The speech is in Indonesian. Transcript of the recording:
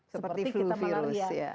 seperti flu virus ya